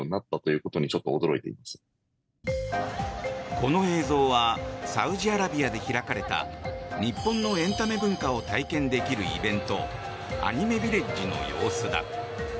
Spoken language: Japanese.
この映像はサウジアラビアで開かれた日本のエンタメ文化を体験できるイベントアニメビレッジの様子だ。